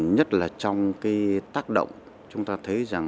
nhất là trong cái tác động chúng ta thấy rằng